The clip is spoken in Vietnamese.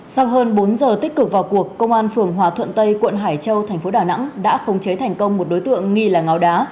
sau hơn bốn giờ tích cực vào cuộc công an phường hòa thuận tây quận hải châu thành phố đà nẵng đã khống chế thành công một đối tượng nghi là ngáo đá